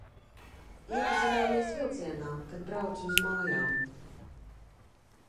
Iepazināmies vilcienā, kad braucu uz mājām.